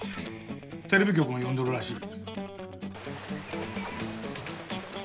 テレビ局も呼んどるらしい。